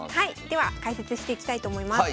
では解説していきたいと思います。